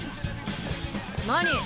何？